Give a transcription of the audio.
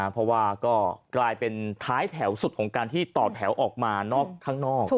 เพราะว่าก็กลายเป็นท้ายแถวสุดของการที่ต่อแถวออกมานอกข้างนอก